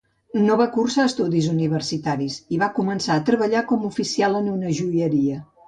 No va cursar estudis universitaris, i va començar a treballar com oficial en una joieria.